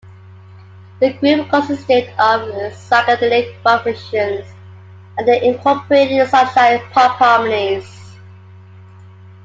The group consisted of psychedelic rock musicians, and they incorporated sunshine pop harmonies.